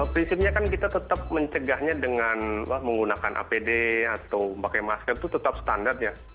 prinsipnya kan kita tetap mencegahnya dengan menggunakan apd atau pakai masker itu tetap standar ya